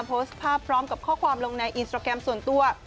โพสต์ภาพพร้อมกับข้อความลงในอินสตราแกรมส่วนตัว